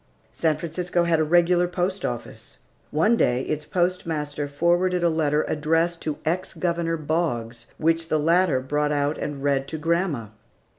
San Francisco had a regular post office. One day its postmaster forwarded a letter, addressed to ex Governor Boggs, which the latter brought out and read to grandma.